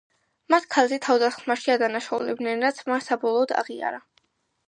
მას ქალზე თავდასხმაში ადანაშაულებდნენ, რაც მან საბოლოოდ აღიარა.